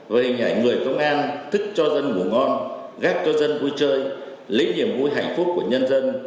và hình ảnh người công an thức cho dân ngủ ngon gác cho dân vui chơi lấy niềm vui hạnh phúc của nhân dân